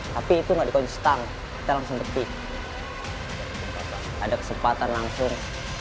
tapi itu enggak dikonstan kita langsung pergi ada kesempatan langsung